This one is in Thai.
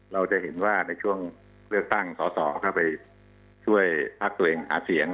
เราจะเห็นว่าในช่วงเลือกตั้งสอสอเข้าไปช่วยพักตัวเองหาเสียง